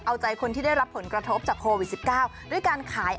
เอาใจคนที่ได้รับผลกระทบจากโควิด๑๙ด้วยการขาย